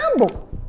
kamu gak mabuk